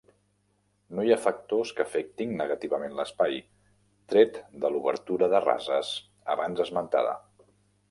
No hi ha factors que afectin negativament l'espai, tret de l'obertura de rases abans esmentada.